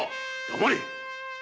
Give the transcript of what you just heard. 黙れ！